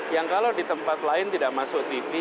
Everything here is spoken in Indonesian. yang kalau di tempat lain tidak masuk tv